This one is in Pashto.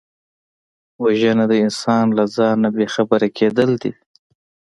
وژنه د انسان له ځانه بېخبره کېدل دي